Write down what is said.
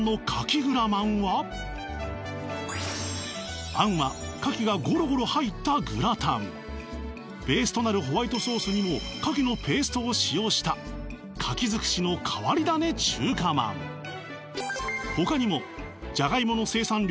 グラまんはあんは牡蠣がゴロゴロ入ったグラタンベースとなるホワイトソースにも牡蠣のペーストを使用した牡蠣づくしの変わり種中華まんほかにもじゃがいもの生産量